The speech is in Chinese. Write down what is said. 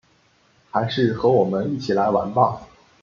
还是和我们一起来玩吧